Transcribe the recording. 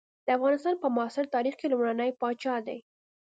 د افغانستان په معاصر تاریخ کې لومړنی پاچا دی.